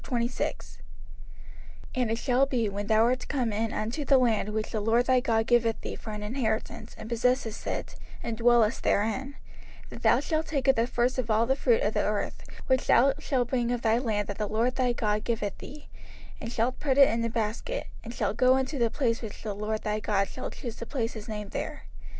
05:026:001 And it shall be, when thou art come in unto the land which the LORD thy God giveth thee for an inheritance, and possessest it, and dwellest therein; 05:026:002 That thou shalt take of the first of all the fruit of the earth, which thou shalt bring of thy land that the LORD thy God giveth thee, and shalt put it in a basket, and shalt go unto the place which the LORD thy God shall choose to place his name there.